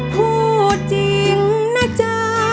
พูดจริงนะจ๊ะ